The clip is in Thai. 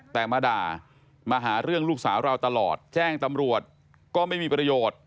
แต่มาด่ามาหาเรื่องลูกสาวเราตลอดแจ้งตำรวจก็ไม่มีประโยชน์